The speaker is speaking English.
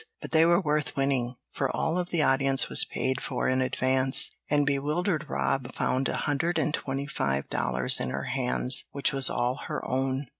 But they were worth winning, for all of the audience was paid for in advance, and bewildered Rob found a hundred and twenty five dollars in her hands, which was all her own.